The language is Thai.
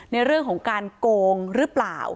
ในเรื่องของการโกงหรือเปล่า